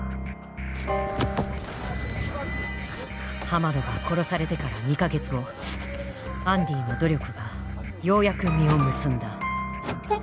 ハマドが殺されてから２か月後アンディの努力がようやく実を結んだ。